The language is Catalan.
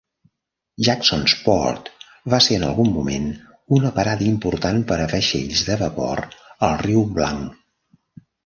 Jacksonport va ser en algun moment una parada important per a vaixells de vapor al riu Blanc.